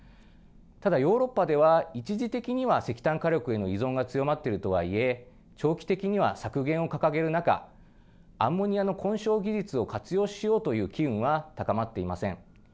ただ、ヨーロッパでは一時的には石炭火力への依存が強まっているとはいえ長期的には削減を掲げる中アンモニアの混焼技術を活用しようという機運は高まっていません。